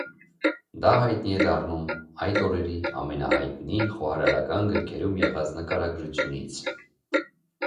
Դա հայտնի դառնում այդ օրերի ամենահայտնի խոհարարական գրքերում եղած նկարագրությունից։